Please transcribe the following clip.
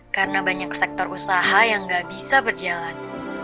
karena banyak sektor usaha yang gak bisa berjalan